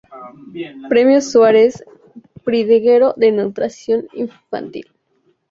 Premio Suárez Perdiguero de nutrición infantil.